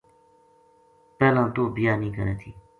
پہلاں توہ بیاہ نیہہ کرے تھی